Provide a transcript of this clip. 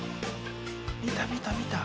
見た見た見た。